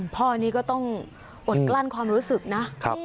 พ่อนี้ก็ต้องอดกลั้นความรู้สึกนะ